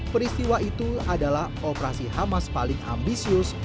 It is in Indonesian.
peristiwa itu adalah operasi hamas paling ambisius